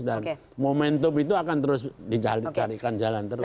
dan momentum itu akan terus ditarikan jalan terus